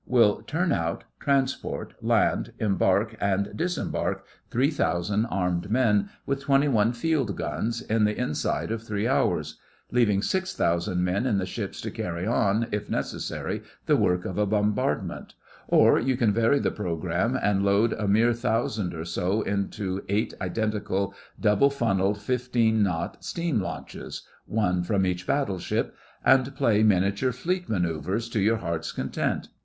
will turn out, transport, land, embark, and disembark three thousand armed men, with twenty one field guns, in the inside of three hours; leaving six thousand men in the ships to carry on if necessary the work of a bombardment; or you can vary the programme and load a mere thousand or so into eight identical double funnelled fifteen knot steam launches—one from each battleship—and play miniature Fleet manœuvres to your heart's content.